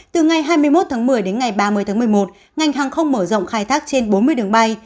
từ ngày hai mươi một tháng một mươi đến ngày ba mươi tháng một mươi một ngành hàng không mở rộng khai thác trên bốn mươi đường bay